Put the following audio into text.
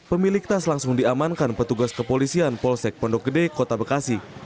pemilik tas langsung diamankan petugas kepolisian polsek pondok gede kota bekasi